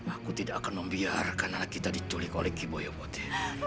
aku tidak akan membiarkan anak kita diculik oleh kiboyo